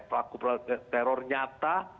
pelaku teror nyata